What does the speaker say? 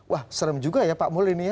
wah serem juga ya pak mul ini ya